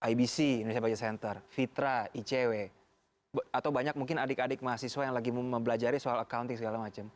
ibc indonesia budget center fitra icw atau mungkin banyak adik adik mahasiswa yang lagi membelajari soal accounting segala macam